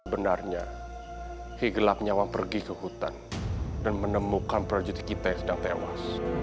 sebenarnya ki gelap nyawang pergi ke hutan dan menemukan proyek kita yang sedang tewas